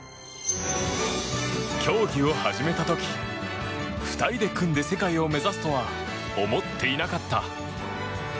競技を始めた時２人で組んで世界を目指すとは思っていなかった。